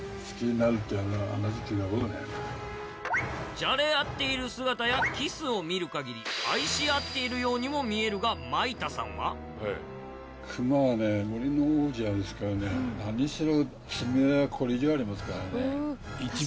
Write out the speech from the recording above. じゃれ合っている姿やキスを見る限り愛し合っているようにも見えるが米田さんは何しろ。